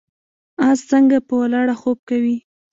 اس څنګه په ولاړه خوب کوي؟